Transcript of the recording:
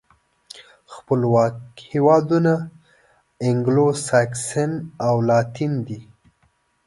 خپلواک هېوادونه انګلو ساکسوسن او لاتین دي.